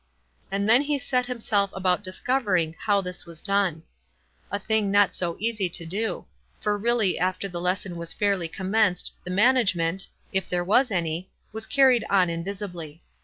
And then he set himself about discovering how this Avas done. A thing not so easy to do; for really after the lesson was fairly commenced the man agement, if there was any, was carried on in visibly.